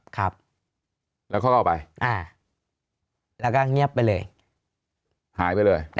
ครับแล้วเขาก็เอาไปอ่าแล้วก็เงียบไปเลยหายไปเลย